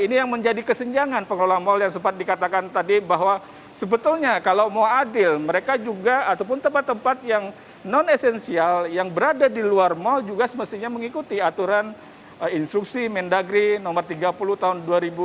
ini yang menjadi kesenjangan pengelola mal yang sempat dikatakan tadi bahwa sebetulnya kalau mau adil mereka juga ataupun tempat tempat yang non esensial yang berada di luar mal juga semestinya mengikuti aturan instruksi mendagri nomor tiga puluh tahun dua ribu dua puluh